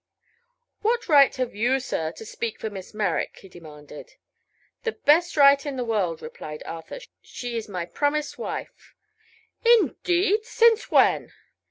"What right have you, sir, to speak for Miss Merrick?" he demanded. "The best right in the world," replied Arthur. "She is my promised wife." "Indeed! Since when?"